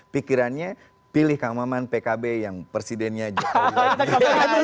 pikirannya pilih kang maman pkb yang presidennya jauh